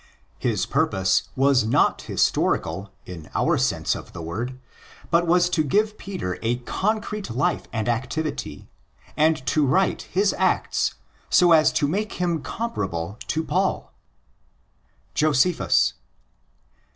His purpose was not historical in our sense of the word, but was to give Peter a concrete life and activity, and to write his Acts s0 as to make him comparable to Paul. Josephus.